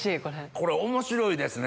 これ面白いですね